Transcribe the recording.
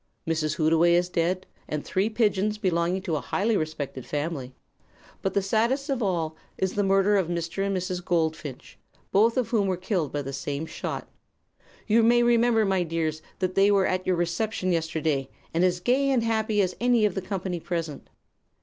Mrs. Hootaway is dead, and three pigeons belonging to a highly respected family; but the saddest of all is the murder of Mr. and Mrs. Goldfinch, both of whom were killed by the same shot. You may remember, my dears, that they were at your reception yesterday, and as gay and happy as any of the company present.